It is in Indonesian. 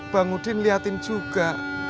bang udin liatin juga